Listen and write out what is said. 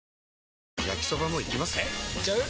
えいっちゃう？